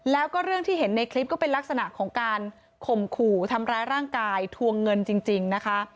แล้วก็เรื่องที่เห็นในคลิปก็เป็นลักษณะของการข่มขู่ทำร้ายร่างกายทวงเงินจริงนะคะ